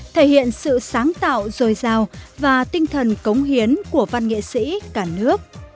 thể hiện sự sáng tạo dồi dào và tinh thần cống hiến của văn nghệ sĩ cả nước